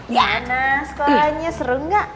diana sekolahnya seru gak